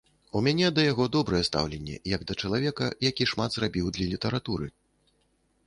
У мяне да яго добрае стаўленне, як да чалавека, які шмат зрабіў для літаратуры.